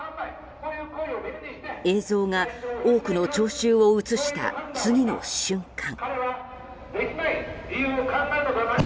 映像が多くの聴衆を映した次の瞬間。